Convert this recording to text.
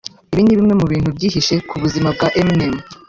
Ibi ni bimwe mu bintu byihishe ku buzima bwa Eminem